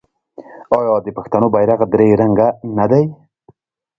آیا د پښتنو بیرغ درې رنګه نه دی؟